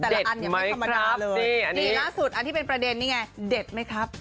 ล่าสุดอันที่เป็นประเด็นนี้ไงเด็ดไหมครับ